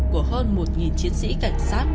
của hơn một chiến sĩ cảnh sát